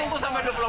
kecewa kita dulu